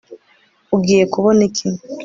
ugiye kubona iki